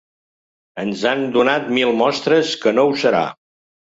Ens han donat mil mostres que no ho serà.